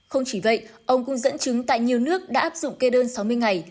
không chỉ vậy ông cũng dẫn chứng tại nhiều nước đã áp dụng kê đơn sáu mươi ngày